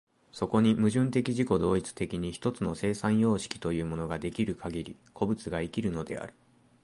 そこに矛盾的自己同一的に一つの生産様式というものが出来るかぎり、個物が生きるのである。